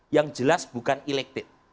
yang jelas bukan elected